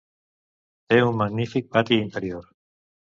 Té un magnífic pati interior.